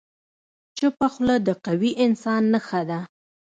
چپه خوله، د قوي انسان نښه ده.